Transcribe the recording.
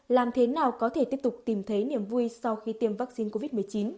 làm thế nào có thể tiếp tục tìm thấy niềm vui sau khi tiêm vaccine covid một mươi chín